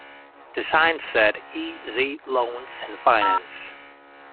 The sign said E Z Loans and Finance.